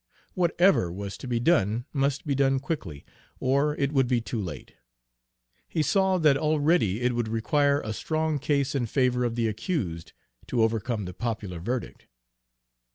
Whatever was to be done must be done quickly, or it would be too late. He saw that already it would require a strong case in favor of the accused to overcome the popular verdict.